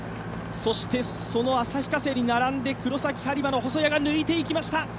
そしてその旭化成に並んで黒崎播磨の細谷が抜いていきました。